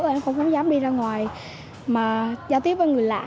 em không dám đi ra ngoài mà giao tiếp với người lạ